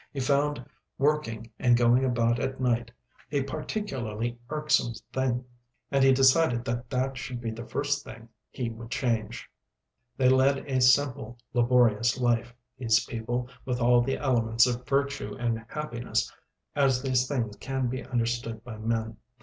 He found working and going about at night a particularly irksome thing, and he decided that that should be the first thing he would change. They led a simple, laborious life, these people, with all the elements of virtue and happiness as these things can be understood by men.